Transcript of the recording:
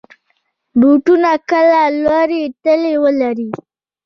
بوټونه کله لوړ تلي ولري.